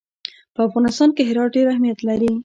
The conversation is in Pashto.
په افغانستان کې هرات ډېر اهمیت لري.